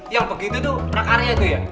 yang begitu itu prakarya itu ya